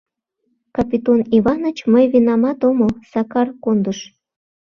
— Капитон Иваныч, мый винамат омыл, Сакар кондыш.